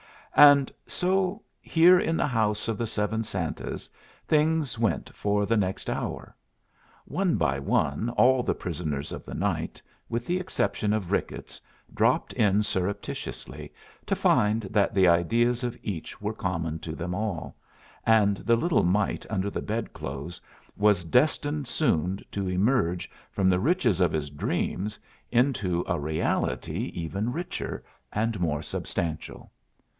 And so, here in the House of the Seven Santas, things went for the next hour. One by one all the prisoners of the night, with the exception of Ricketts, dropped in surreptitiously, to find that the ideas of each were common to them all, and the little mite under the bedclothes was destined soon to emerge from the riches of his dreams into a reality even richer and more substantial.